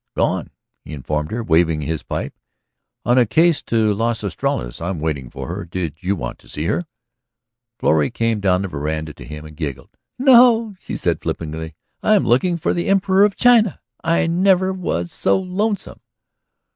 "Gone," he informed her, waving his pipe. "On a case to Las Estrellas. I'm waiting for her. Did you want to see her?" Florrie, coming down the veranda to him, giggled. "No," she told him flippantly. "I'm looking for the Emperor of China. I never was so lonesome.